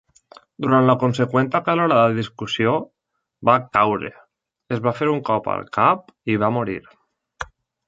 Durant la conseqüent acalorada discussió, va caure, es va fer un cop al cap i va morir.